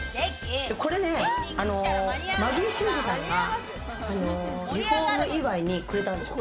これね、マギー審司さんがリフォーム祝いにくれたんですよ。